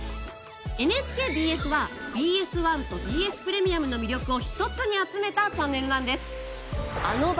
ＮＨＫＢＳはＢＳ１とＢＳプレミアムの魅力を一つに集めたチャンネルなんです。